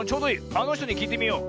あのひとにきいてみよう。